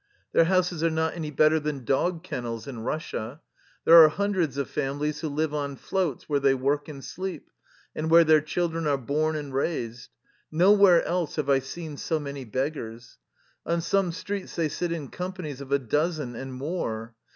Their houses are not any better than dog ken nels in Russia. There are hundreds of families who live on floats, where they work and sleep, and where their children are born and raised. Nowhere else have I seen so many beggars. On some streets they sit in companies of a dozen and more.